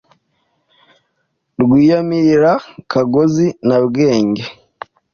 Rwiyamirira, Kagozi na Bwenge